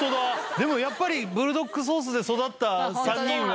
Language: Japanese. でもやっぱりブルドックソースで育った３人は。